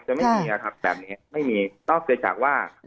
จะไม่มีอ่ะครับแบบนี้ไม่มีนอกจากว่า